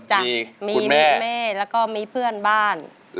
สวัสดีครับคุณหน่อย